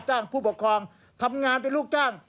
ผู้ปกครองทำงานเป็นลูกจ้าง